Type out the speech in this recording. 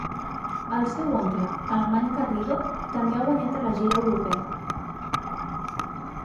El seu oncle, Alemany Garrido, també ha guanyat a la gira europea.